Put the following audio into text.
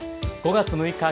５月６日